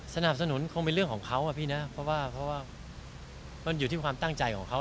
สนับสนุนคงเป็นเรื่องของเขาอะพี่นะเพราะว่ามันอยู่ที่ความตั้งใจของเขา